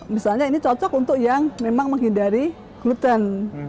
misalnya ini cocok untuk yang memang menghindari gluten